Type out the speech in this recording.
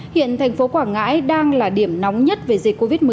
hiện thành phố quảng ngãi đang là điểm nóng nhất về dịch covid một mươi chín